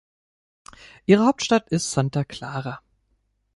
Ihre Hauptstadt ist Santa Clara.